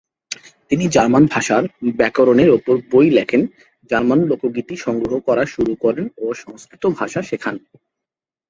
তিনি জার্মান ভাষার ব্যাকরণের ওপরে বই লেখেন, জার্মান লোকগীতি সংগ্রহ করা শুরু করেন ও সংস্কৃত ভাষা শেখেন।